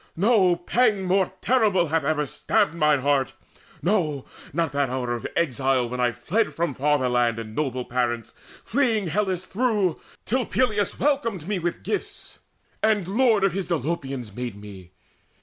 No pang more terrible Hath ever stabbed mine heart no, not that hour Of exile, when I fled from fatherland And noble parents, fleeing Hellas through, Till Peleus welcomed me with gifts, and lord Of his Dolopians made me.